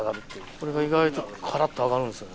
これが意外とカラっと揚がるんですよね。